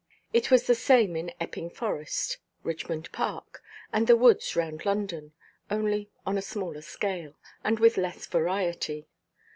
It was the same in Epping Forest, Richmond Park, and the woods round London, only on a smaller scale, and with less variety.